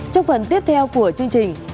trong phần tiếp theo của chương trình